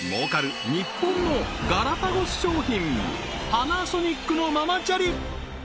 パナソニックのママチャリ